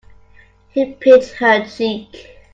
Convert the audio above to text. He pinched her cheek.